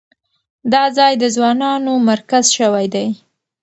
دا ځای د ځوانانو مرکز شوی دی.